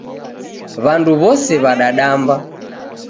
W'andu w'ose w'adadamba